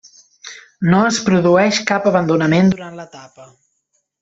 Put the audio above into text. No es produeix cap abandonament durant l'etapa.